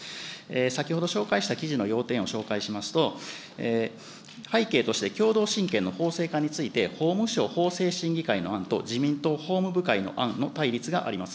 先ほど紹介した記事の要点を紹介しますと、背景として共同親権の法制化について、法務省法制審議会の案と、自民党法務部会の案の対立があります。